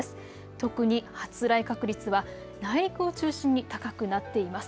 特に発雷確率は内陸を中心に高くなっています。